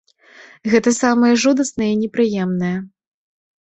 Гэта самае жудаснае і непрыемнае.